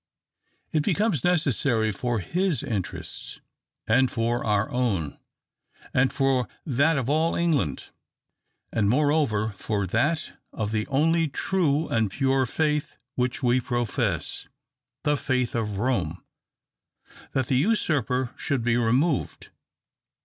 It becomes necessary for his interests, and for our own, and for that of all England, and moreover for that of the only true and pure faith, which we profess the faith of Rome that the Usurper should be removed.